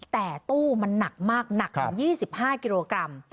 แต่ตู้มันหนักมากหนักถึง๒๕กิโลกรัม